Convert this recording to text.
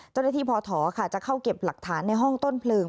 เจ้าหน้าที่พอถอจะเข้าเก็บหลักฐานในห้องต้นเพลิง